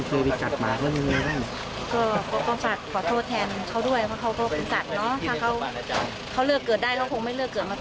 สมมุติมีความสำคัญท่านแทนเขาด้วยนะครับ